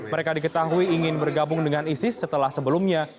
mereka diketahui ingin bergabung dengan isis setelah sebelumnya